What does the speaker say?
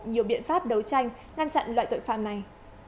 nhiều biện pháp đấu tranh ngăn chặn loại tội phạm này